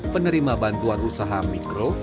penerima bantuan usaha mikro